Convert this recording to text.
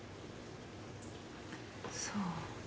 そう。